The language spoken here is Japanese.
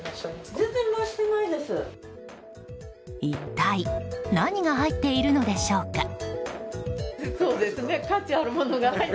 一体何が入っているのでしょうか。